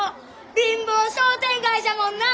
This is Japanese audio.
貧乏商店街じゃもんなあ！